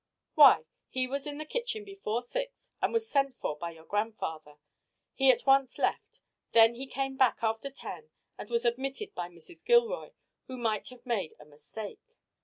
"Why! He was in the kitchen before six and was sent for by your grandfather. He at once left. Then he came back after ten and was admitted by Mrs. Gilroy, who might have made a mistake."